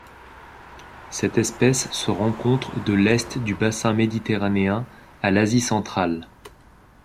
Cette espèce se rencontre de l'Est du bassin méditerranéen à l'Asie centrale.